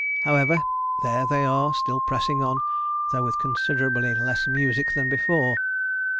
However, there they are, still pressing on, though with considerably less music than before.